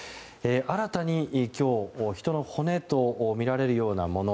新たに今日人の骨とみられるようなもの